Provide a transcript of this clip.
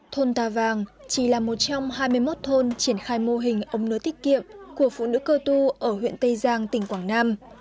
thôn tà vàng chỉ là một trong hai mươi một thôn triển khai mô hình ống nứa tiết kiệm của phụ nữ cơ tu ở huyện tây giang tỉnh quảng nam